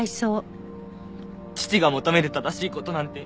父が求める正しい事なんて